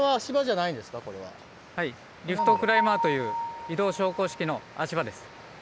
リフトクライマーという移動昇降式の足場です。